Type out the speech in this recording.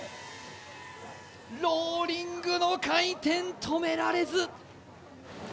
ローリングの回転止められず。